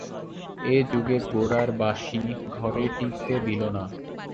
এ যুগে গোরার বাঁশি ঘরে টিঁকতে দিল না।